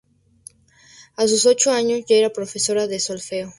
A sus ocho años ya era profesora de solfeo.